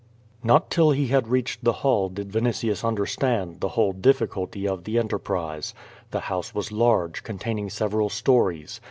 Not till he had reached the hall did Vinitius unde^^stand the whole difficulty of the enterprise. The house was large, con taining several stories.